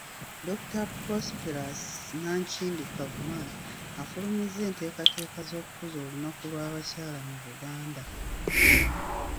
Dokita Prosperous Nankindu Kavuma, afulumizza enteekateeka z'okukuza olunaku lw'abakyala mu Buganda.